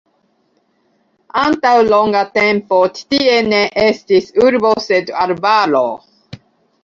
Antaŭ longa tempo ĉi tie ne estis urbo sed arbaro.